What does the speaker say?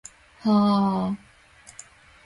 はーーー？